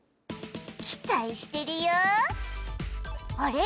期待してるよあれ？